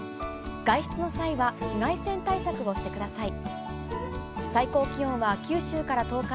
外出の際は紫外線対策をしてください。